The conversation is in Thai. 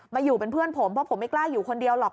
อยู่เป็นเพื่อนผมเพราะผมไม่กล้าอยู่คนเดียวหรอก